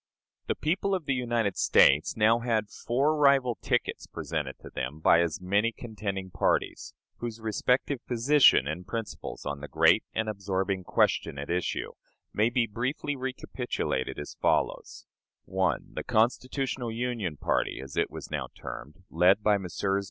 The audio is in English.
The people of the United States now had four rival tickets presented to them by as many contending parties, whose respective position and principles on the great and absorbing question at issue may be briefly recapitulated as follows: 1. The "Constitutional Union" Party, as it was now termed, led by Messrs.